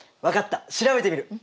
分かった調べてみる！